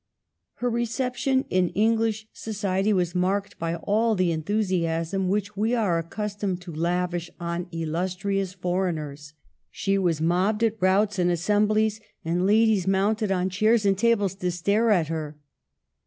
Her reception in English society was marked by all the enthusiasm whibh we are accustomed to lavish on illustrious foreigners. She was mobbed at routs and assemblies, and ladies mounted on chairs and tables to stare at her.